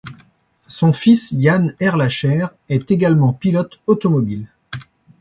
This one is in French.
Son fils Yann Ehrlacher est également pilote automobile.